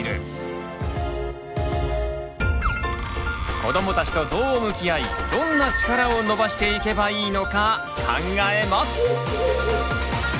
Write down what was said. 子どもたちとどう向き合いどんな力を伸ばしていけばいいのか考えます！